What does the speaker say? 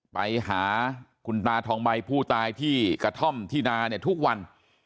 ไปหาคุณตาทองใบผู้ตายที่กระท่อมที่นาเนี่ยทุกวัน